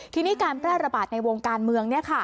ทีนี้การแปรระบาดในวงการเมืองเนี่ยค่ะ